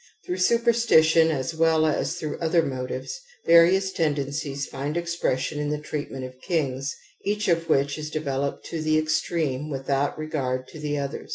Through superstition as well as through other motives, various tendencies find expression in THE AMBIVALENCE OF EMOTIONS ; 88 the treatment of kings, each of which is devel oped to the extreme without regard to the other.